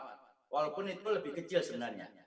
walaupun itu lebih kecil sebenarnya